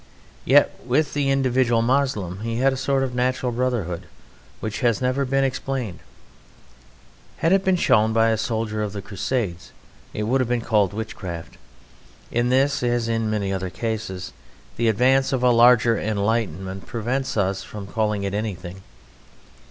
Yet with the individual Moslem he had a sort of natural brotherhood which has never been explained. Had it been shown by a soldier of the Crusades, it would have been called witchcraft. In this, as in many other cases, the advance of a larger enlightenment prevents us from calling it anything.